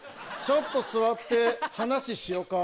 ちょっと座って話しよか。